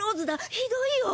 ひどいよ！！